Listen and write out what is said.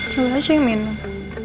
jangan aja yang minum